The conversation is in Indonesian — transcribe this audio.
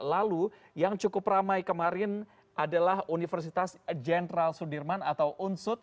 lalu yang cukup ramai kemarin adalah universitas jenderal sudirman atau unsut